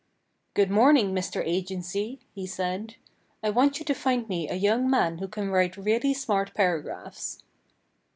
"Good morning, Mr. Agency," he said. "I want you to find me a young man who can write really smart paragraphs."